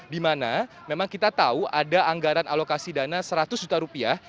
dimana memang kita tahu ada anggaran alokasi dana seratus juta rupiah